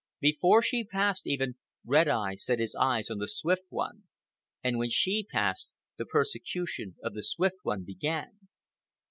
Before she passed, even, Red Eye set his eyes on the Swift One; and when she passed, the persecution of the Swift One began.